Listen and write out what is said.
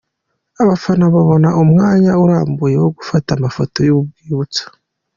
Abafana babona umwanya urambuye wo gufata amafoto y'urwibutso.